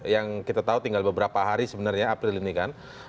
yang kita tahu tinggal beberapa hari sebenarnya april ini kan